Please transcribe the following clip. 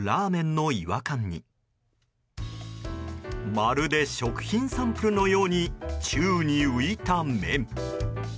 まるで食品サンプルのように宙に浮いた麺。